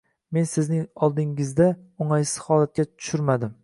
Meni sizning oldingizda oʻngʻaysiz holatga tushirmadi